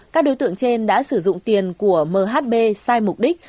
các đối tượng trên đã sử dụng tiền của mhb sai mục đích